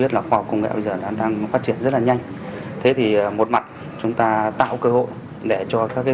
sắp tới thì cũng có